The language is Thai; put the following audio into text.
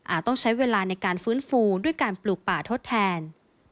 ต้องใช้เวลาในการฟื้นฟูด้วยการปลูกป่าทดแทน